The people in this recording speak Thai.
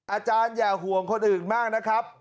อย่าห่วงคนอื่นมากนะครับ